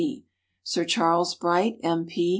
P.; Sir Charles Bright, M.P.